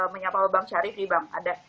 menyapa bang syarif nih bang